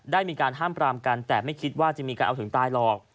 ได้มีการห้ามปรามกันแต่ไม่คิดว่าจะมีการเอาถึงตายหรอก